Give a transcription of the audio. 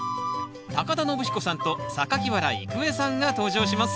田延彦さんと原郁恵さんが登場します